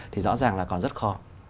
thì rõ ràng là còn rất khó